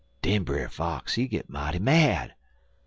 "'Den Brer Fox he git mighty mad.